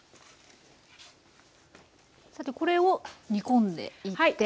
さてこれを煮込んでいって。